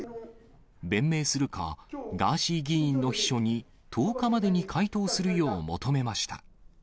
弁明するか、ガーシー議員の秘書に１０日までに回答するよう求めました。